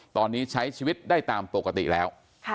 ตอนนี้ใช้ชีวิตได้ตามปกติแล้ว